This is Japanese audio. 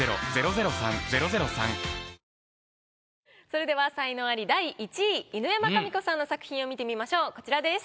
それでは才能アリ第１位犬山紙子さんの作品を見てみましょうこちらです。